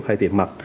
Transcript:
hay tiền mặt